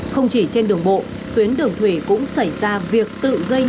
không chỉ trên đường bộ tuyến đường thủy cũng xảy ra